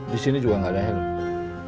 disini juga gak ada helm